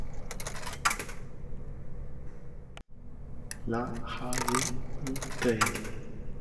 La Haye-du-Theil